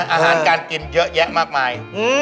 อาหารการกินเยอะแยะมากมาย